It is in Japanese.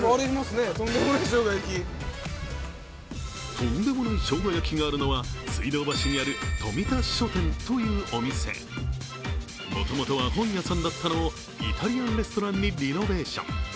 とんでもないしょうが焼きがあるのは水道橋、冨田書店というお店本屋さんだったものをイタリアンレストランにリノベーション。